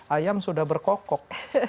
ayam sudah berkokok